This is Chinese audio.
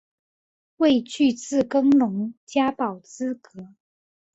未具自耕农加保资格